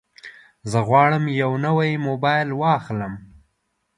زه غواړم یو نوی موبایل واخلم.